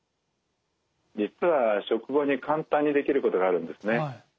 実は食後に簡単にできることがあるんですね。